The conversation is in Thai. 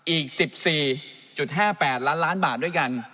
อีก๑๔๕๘ล้านล้านบาทด้วยกัน